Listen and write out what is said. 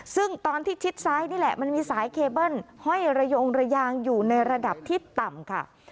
ซึ่งตอนที่ชิดซ้ายนี่แหละมันมีสายเคเบิ้ลห้อยระยงระยางอยู่ในระดับที่ต่ำค่ะ